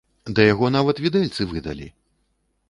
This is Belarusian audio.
Да яго нават відэльцы выдалі!